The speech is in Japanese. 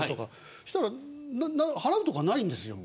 そしたら、払う所がないんです。